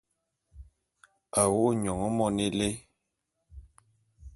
A wo’o nyon mone élé.